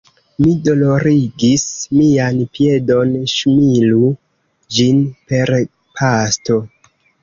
Mi dolorigis mian piedon, ŝmiru ĝin per pasto.